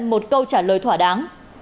một câu trả lời thỏa đáng